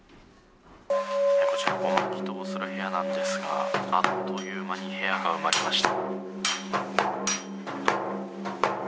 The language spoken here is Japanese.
こちら護摩祈祷する部屋なんですがあっという間に部屋が埋まりました。